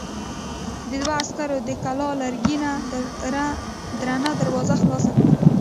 دوو عسکرو د کلا لرګينه درنه دروازه خلاصه کړه.